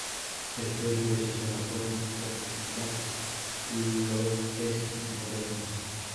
Esto es gracias a la forma que presentan los esquís modernos.